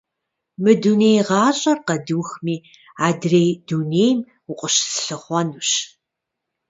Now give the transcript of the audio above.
Мы дуней гъащӏэр къэдухми, адрей дунейм укъыщыслъыхъуэнущ.